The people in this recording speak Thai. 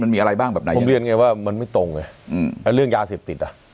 มันมีอะไรบ้างผมเรียนไงว่ามันไม่ตรงเรื่องยาเสพติด